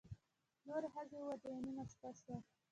نورې ښځې ووتې او نیمه شپه شوه.